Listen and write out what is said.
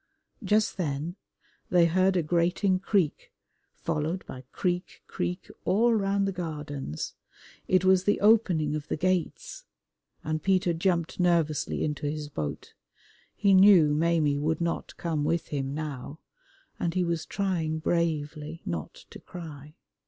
Just then they heard a grating creak, followed by creak, creak, all round the Gardens. It was the Opening of the Gates, and Peter jumped nervously into his boat. He knew Maimie would not come with him now, and he was trying bravely not to cry.